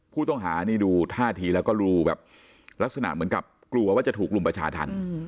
ผู้ต้องหานี่ดูท่าทีแล้วก็รู้แบบลักษณะเหมือนกับกลัวว่าจะถูกรุมประชาธรรม